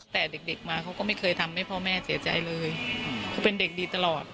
แต่เด็กมาเขาก็ไม่เคยทำให้พ่อแม่เสียใจเลยเขาเป็นเด็กดีตลอด